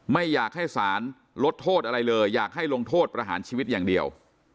ไม่อยากให้สารลดโทษอะไรเลยอยากให้ลงโทษประหารชีวิตอย่างเดียว